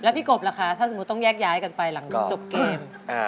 พี่กบล่ะคะถ้าสมมุติต้องแยกย้ายกันไปหลังจบเกม